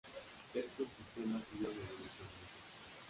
Estos sistemas siguieron evolucionando.